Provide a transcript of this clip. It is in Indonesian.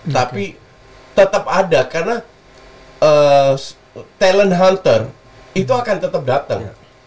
tapi tetap ada karena talent hunter itu akan tetap datang